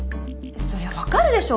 そりゃ分かるでしょ。